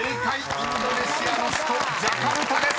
インドネシアの首都「ジャカルタ」です］